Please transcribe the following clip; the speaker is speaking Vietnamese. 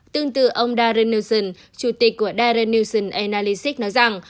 tương tự ông darren nielsen chủ tịch của darren nielsen analysis nói rằng